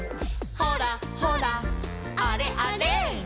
「ほらほらあれあれ」